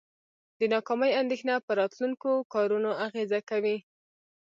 د ناکامۍ اندیښنه په راتلونکو کارونو اغیزه کوي.